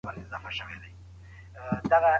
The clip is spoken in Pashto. د پرمختګ پر وړاندي خنډونه باید وپېژندل سي.